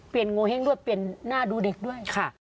เปลี่ยนโงเห้งด้วยเปลี่ยนหน้าดูเด็กด้วย